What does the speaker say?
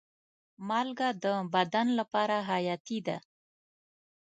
مالګه د بدن لپاره حیاتي ده.